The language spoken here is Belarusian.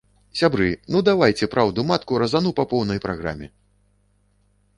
Сябры, ну давайце праўду-матку разану па поўнай праграме.